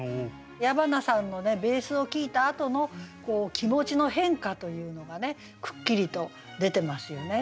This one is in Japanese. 矢花さんのベースを聴いたあとの気持ちの変化というのがくっきりと出てますよね。